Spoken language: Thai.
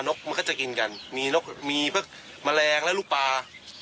กมันก็จะกินกันมีนกมีพวกแมลงและลูกปลา